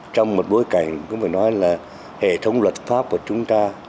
trong một bối cảnh cũng phải nói là hệ thống luật pháp của chúng ta